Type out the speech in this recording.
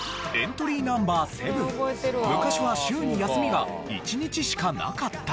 エントリーＮｏ．７昔は週に休みが１日しかなかった。